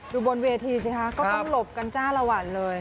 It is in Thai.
บนเวทีสิคะก็ต้องหลบกันจ้าละวันเลย